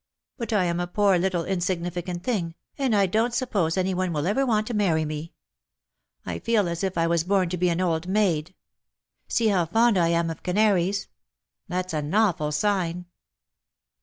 But I am a poor little insignificant thing, and I don't suppose any one will ever want to marry me. I feel as if I was born to be an old maid. See how fond I am oi canaries ! That's an awful sign."